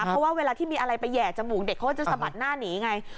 เพราะว่าเวลาที่มีอะไรไปแห่จมูกเด็กเขาก็จะสะบัดหน้าหนีไง